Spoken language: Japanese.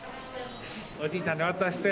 おじいちゃんに手渡して。